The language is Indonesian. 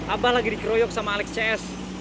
abah lagi dikeroyok sama alex cs